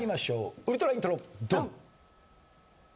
ウルトライントロドン！